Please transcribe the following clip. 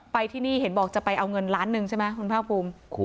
ที่นี่เห็นบอกจะไปเอาเงินล้านหนึ่งใช่ไหมคุณภาคภูมิ